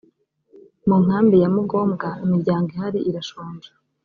mu nkambi ya mugombwa imiryango ihari irashonje